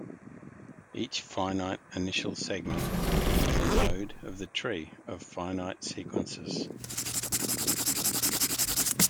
Each finite initial segment is a node of the tree of finite sequences.